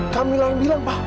kamilah yang bilang pa